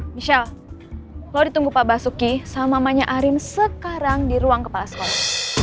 michelle lo ditunggu pak basuki sama mamanya arim sekarang di ruang kepala sekolah